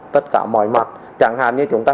tất cả mọi mặt chẳng hạn như chúng ta